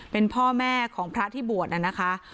เป็นพ่อแม่ของพระที่บวชน่ะนะคะ